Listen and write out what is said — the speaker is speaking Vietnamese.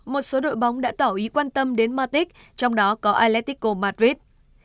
một số đội bóng đã tỏ ý quan tâm đến matic trong đó có eletico madrid